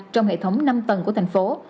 trong hệ thống năm tầng của thành phố